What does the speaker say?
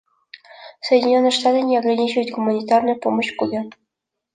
Соединенные Штаты не ограничивают гуманитарную помощь Кубе.